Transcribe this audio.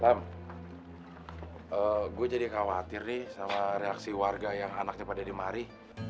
ham gue jadi khawatir nih sama reaksi warga yang anaknya pada dimari